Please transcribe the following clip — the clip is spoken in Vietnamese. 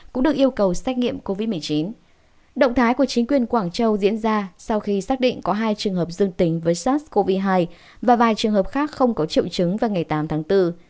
cũng được yêu cầu xét nghiệm covid một mươi chín động thái của chính quyền quảng châu diễn ra sau khi xác định có hai trường hợp dương tính với sars cov hai và vài trường hợp khác không có triệu chứng vào ngày tám tháng bốn